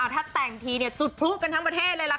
ถ้าแต่งทีจุดพลุกันทั้งประเทศเลยล่ะค่ะ